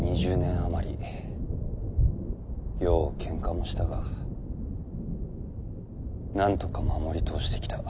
りようけんかもしたがなんとか守り通してきた。